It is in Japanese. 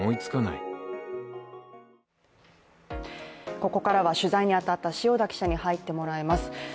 ここからは取材に当たった塩田記者に入ってもらいます。